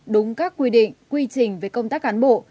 đúng các quy định quy trình về công tác cán bộ